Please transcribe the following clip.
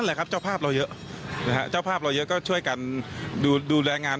แหละครับเจ้าภาพเราเยอะนะฮะเจ้าภาพเราเยอะก็ช่วยกันดูแลงาน